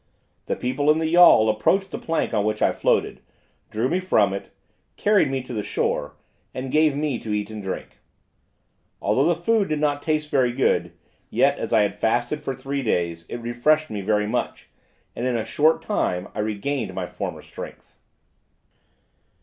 The people in the yawl approached the plank upon which I floated, drew me from it, carried me to the shore, and gave me to eat and drink. Although the food did not taste very good, yet as I had fasted for three days, it refreshed me very much, and in a short time I regained my former strength.